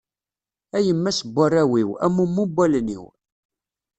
A yemma-s n warraw-iw, a mumu n wallen-iw.